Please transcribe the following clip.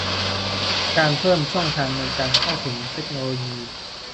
การเพิ่มช่องทางในการเข้าถึงเทคโนโลยี